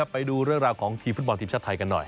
ไปดูเรื่องราวของทีมฟุตบอลทีมชาติไทยกันหน่อย